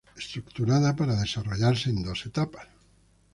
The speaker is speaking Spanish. Estructurada para desarrollarse en dos etapas.